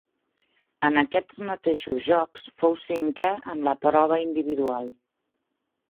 En aquests mateixos Jocs fou cinquè en la prova individual.